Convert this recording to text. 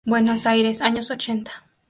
Buenos Aires, años ochenta.